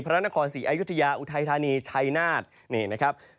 พระนครศรีอายุทยาอุทัยธานีชัยนาฏนี่นะครับ